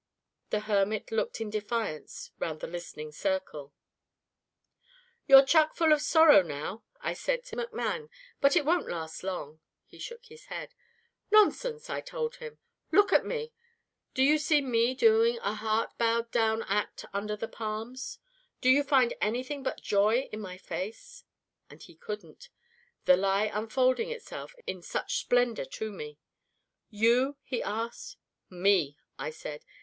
The hermit looked in defiance round the listening circle. "'You're chuck full of sorrow now,' I said to McMann, 'but it won't last long.' He shook his head. 'Nonsense,' I told him. 'Look at me. Do you see me doing a heart bowed down act under the palms? Do you find anything but joy in my face?' And he couldn't, the lie unfolding itself in such splendor to me. 'You?' he asked. 'Me,' I said.